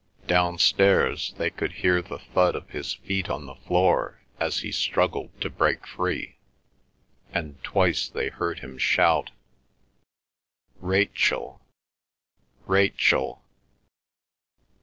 Downstairs they could hear the thud of his feet on the floor, as he struggled to break free; and twice they heard him shout, "Rachel, Rachel!"